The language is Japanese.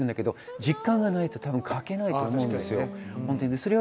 実感がないと書けないと思います。